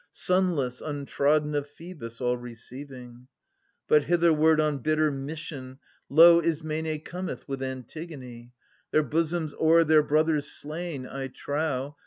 Sunless, untrodden of Phcebus, all receiving ! 860 But hitherward on bitter mission, lo, Ism^n^ cometh with Antigon^. Their bosoms o'er their brothers slain, I trow.